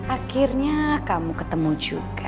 akhirnya kamu ketemu juga